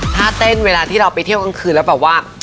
ถ้าเต้นเวลาที่เราไปเที่ยวกลางคืนแล้วแบบว่า